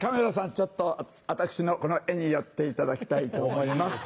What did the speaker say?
ちょっと私のこの絵に寄っていただきたいと思います。